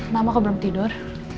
mama kok belum tidur